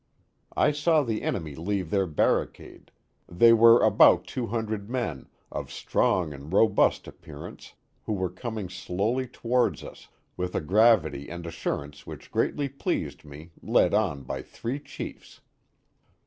I saw the enemy leave their barricade; they were about 200 men, of strong and robust appearance, who were coming slowly towards us, with a gravity and assurance which greatly pleased me, led on by three chiefs.